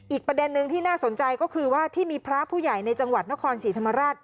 อีกประเด็นนึงที่น่าสนใจก็คือว่าที่มีพระผู้ใหญ่ในจังหวัดนครศรีธรรมราช